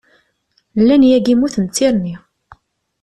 Llan yagi mmuten d tirni.